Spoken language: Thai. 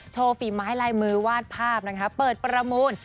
ฝีไม้ลายมือวาดภาพนะคะเปิดประมูล